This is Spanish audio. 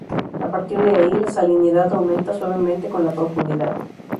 A partir de ahí, la salinidad aumenta suavemente con la profundidad.